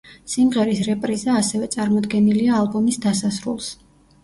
სიმღერის რეპრიზა ასევე წარმოდგენილია ალბომის დასასრულს.